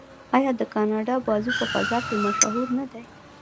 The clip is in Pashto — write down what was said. آیا د کاناډا بازو په فضا کې مشهور نه دی؟